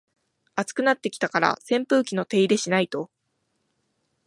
暑くなってきたから扇風機の手入れしないと